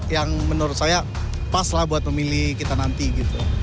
yang menurut saya pas lah buat pemilih kita nanti gitu